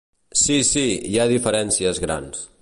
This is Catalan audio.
Sí, sí, hi ha diferències grans.